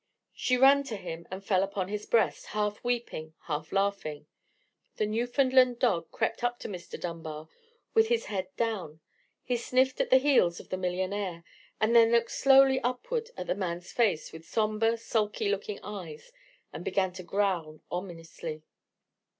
She ran to him and fell upon his breast, half weeping, half laughing. The Newfoundland dog crept up to Mr. Dunbar with his head down: he sniffed at the heels of the millionaire, and then looked slowly upward at the man's face with sombre sulky looking eyes, and began to growl ominously.